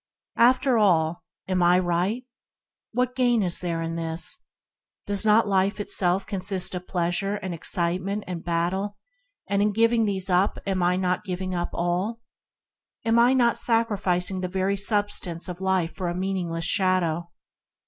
"After all, am I right?" "What gain is there in this?'' "Does not life itself consist of pleasure and excitement and battle, and in giving these up am I not giving up all?" "Am I not sacrificing the very substance of life for a meaningless shadow?"